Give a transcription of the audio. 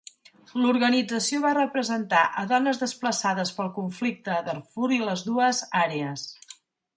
L'organització va representar a dones desplaçades pel conflicte a Darfur i les Dues Àrees.